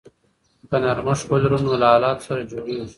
که نرمښت ولرو نو له حالاتو سره جوړیږو.